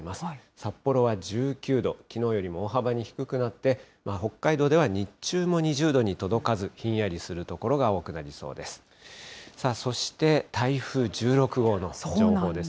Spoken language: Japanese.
札幌は１９度、きのうよりも大幅に低くなって、北海道では日中も２０度に届かず、ひんやりする所が多くなりそうです。